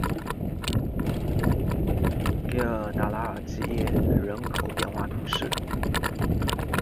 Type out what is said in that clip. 迪尔达拉尔基耶人口变化图示